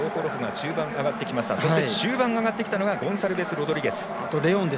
終盤上がってきたのがゴンサルベスロドリゲス。